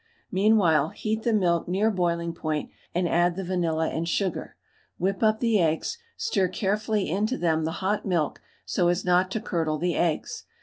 Meanwhile heat the milk near boiling point, and add the vanilla and sugar. Whip up the eggs, stir carefully into them the hot milk, so as not to curdle the eggs.